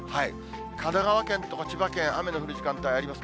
神奈川県とか千葉県、雨の降る時間帯あります。